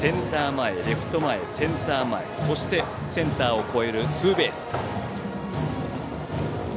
前、レフト前センター前そして、センターを越えるツーベース。